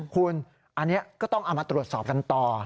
คุณอันนี้ก็ต้องเอามาตรวจสอบกันต่อ